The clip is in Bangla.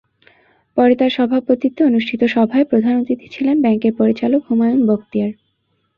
পরে তাঁর সভাপতিত্বে অনুষ্ঠিত সভায় প্রধান অতিথি ছিলেন ব্যাংকের পরিচালক হুমায়ুন বখতিয়ার।